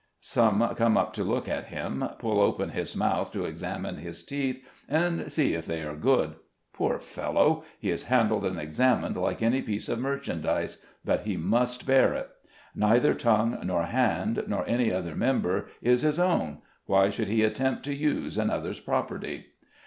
Some come up to look at him, pull open his mouth to examine his teeth, and see if they are good. Poor fellow! he is handled and examined like any piece of merchandise ; but he must bear it. Neither tongue nor hand, nor any other member, is his own — why should he attempt to use another's property